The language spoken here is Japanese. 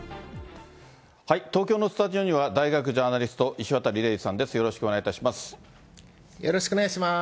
東京のスタジオには大学ジャーナリスト、石渡嶺司さんです。